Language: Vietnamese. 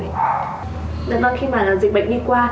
được rồi khi mà dịch bệnh đi qua